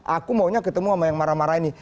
aku maunya ketemu sama yang marah marah ini